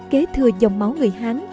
kế thừa dòng máu người hán